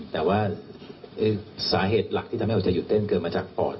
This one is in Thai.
แต่ว่าสาเหตุหลักที่ทำให้หัวใจหยุดเต้นเกิดมาจากปอด